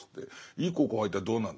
「いい高校入ったらどうなるんだ」。